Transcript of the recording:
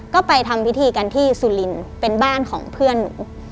ก็ไปทำพิธีกันที่สุรินทร์เป็นบ้านของเพื่อนหนู